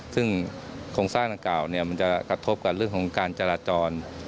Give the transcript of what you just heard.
ซึ่งโครงสร้างดังกล่าวมันจะกระทบกับเรื่องของการจราจร